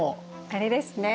あれですね。